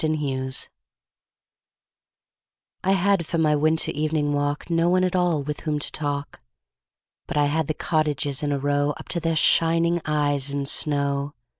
Good Hours I HAD for my winter evening walk No one at all with whom to talk, But I had the cottages in a row Up to their shining eyes in snow.